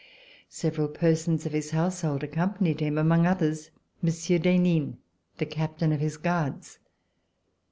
Several persons of his household accompanied him, among others, Monsieur d'Henin, the Captain of his Guards.